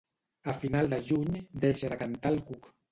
A final de juny deixa de cantar el cuc.